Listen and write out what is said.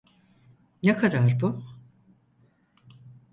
Ne kadar bu?